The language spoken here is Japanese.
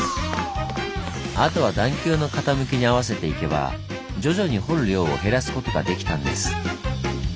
あとは段丘の傾きに合わせていけば徐々に掘る量を減らすことができたんです。